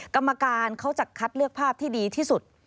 กรรมการเขาจะคัดเลือกภาพที่ดีที่สุด